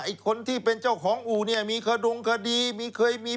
มีอีกคนที่เป็นเจ้าของอู๋มีเคยมีขวดห่วงมีปัญหา